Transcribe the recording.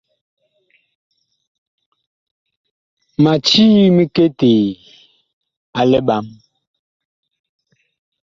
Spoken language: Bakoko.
Ma cii miketee a liɓam.